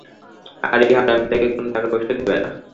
আর, এই হারামিটাকে কোনো টাকা পয়সা দিবে না।